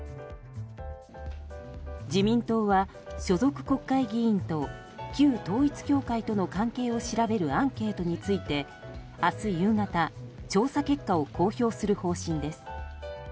自民党は所属国会議員と旧統一教会との関係を調べるアンケートについて明日夕方、調査結果を公表する方針です。